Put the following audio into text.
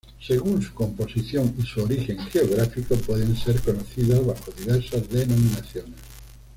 Según su composición y su origen geográfico, pueden ser conocidas bajo diversas denominaciones.